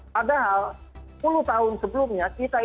padahal sepuluh tahun sebelumnya